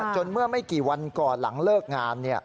เมื่อไม่กี่วันก่อนหลังเลิกงาน